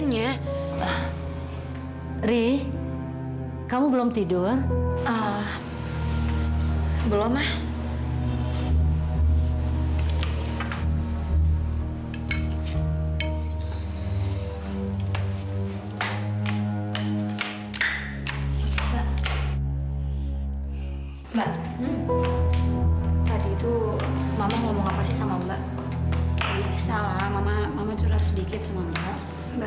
ya udah cepetan ya